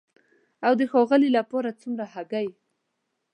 او د ښاغلي لپاره څومره هګۍ؟